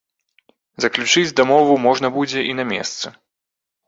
Заключыць дамову можна будзе і на месцы.